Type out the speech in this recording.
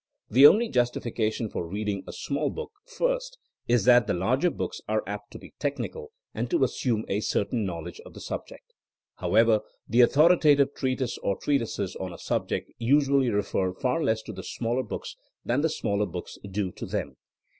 The only justification for reading a small book first is that the larger books are apt to be technical and to assume a certain knowledge of the subject. However, the authoritative treatise or treatises on a subject usually refer far less to the smaller books than the smaller books do to them.